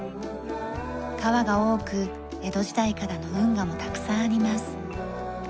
川が多く江戸時代からの運河もたくさんあります。